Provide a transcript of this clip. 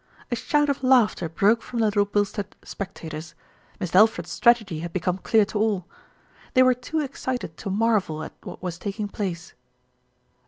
A shout of laughter broke from the Little Bilstead spectators. Mist' Alfred's strategy had become clear to all. They were too excited to marvel at what was taking place.